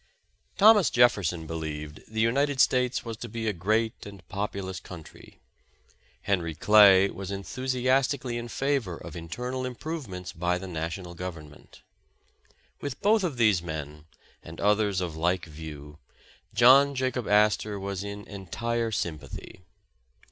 THOMAS Jefferson believed the United States was to be a great and populous country ; Henry Clay was enthusiastically in favor of internal improvements by the National Government. With both of these men, and others of like view, John Jacob Astor was in entire sympathy.